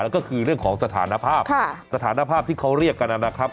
แล้วก็คือเรื่องของสถานภาพสถานภาพที่เขาเรียกกันนะครับ